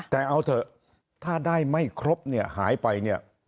แต่เอาเถอะถ้าได้ไม่ครบเนี่ยหายไปเนี่ย